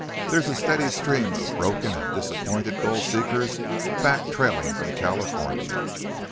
There's a steady stream of broken an' disappointed gold seekers back trailin' from California.